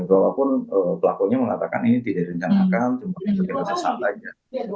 walaupun pelakunya mengatakan ini tidak direncanakan cuma kebinaan sesaat aja